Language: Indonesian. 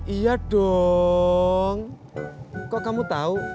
iya dong kok kamu tahu